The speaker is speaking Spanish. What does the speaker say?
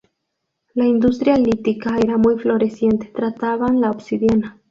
La industria lítica era muy floreciente; trataban la obsidiana.